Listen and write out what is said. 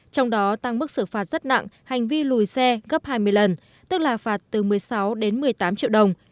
trong đó tăng mức xử phạt rất nặng hành vi lùi xe gấp hai mươi lần tức là phạt từ một mươi sáu đến một mươi tám triệu đồng